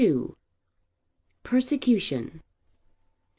PERSECUTION.